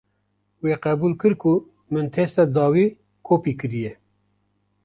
Wê qebûl kir ku min testa dawî kopî kiriye.